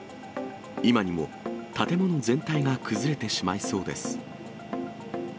今にも建物全体が崩れてしまいそうです。